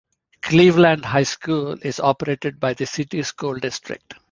Cleveland High School is operated by the city school district.